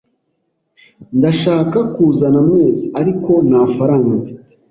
Ndashaka kuzana mwese, ariko nta faranga mfite.